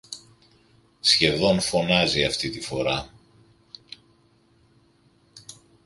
σχεδόν φωνάζει αυτή τη φορά